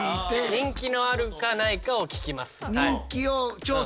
人気のあるかないかを聞きます。